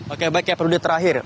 oke baik ya perudin terakhir